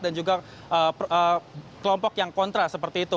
dan juga kelompok yang kontra seperti itu